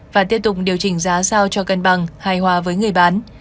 và tiếp tục điều chỉnh giá sao cho cân bằng hài hòa với người bán